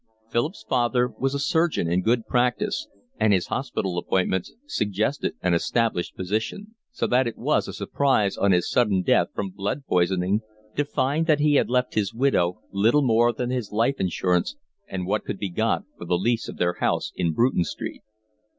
Philip's father was a surgeon in good practice, and his hospital appointments suggested an established position; so that it was a surprise on his sudden death from blood poisoning to find that he had left his widow little more than his life insurance and what could be got for the lease of their house in Bruton Street.